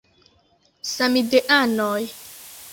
Samideanoj!